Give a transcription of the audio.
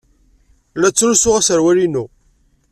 La ttlusuɣ aserwal-inu.